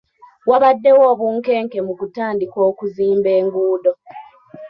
Wabadewo obunkenke mu kutandika okuzimba enguudo.